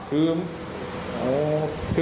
ถึงไแลที